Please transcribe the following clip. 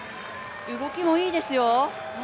動きもいいですよ。